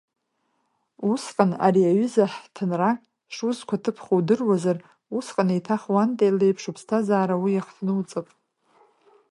Усҟан ари аҩыза ҳҭынрак шузқәаҭыԥхо удыруазар, усҟан еиҭах Уанте леиԥш уԥсҭазаара уи иахҭнуҵап!